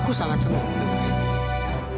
aku sangat senang dengan dia